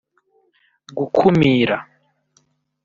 gukumira